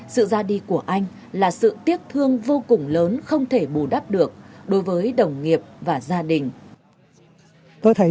sự ra đi của anh là sự tiếc thương vô cùng lớn không thể bù đắp được đối với đồng nghiệp và gia đình